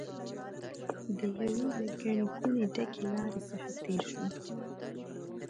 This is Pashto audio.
د یوې له ګڼې ګوڼې ډکې لارې څخه تېر شوم.